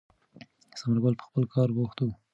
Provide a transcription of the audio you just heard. ثمر ګل په خپل کار بوخت و.